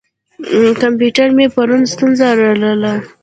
کمپیوټر مې پرون ستونزه لرله.